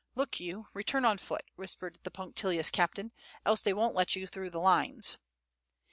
"Look you, return on foot," whispered the punctilious captain, "else they won't let you through the lines."